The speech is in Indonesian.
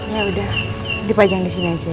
ya udah dipajang di sini aja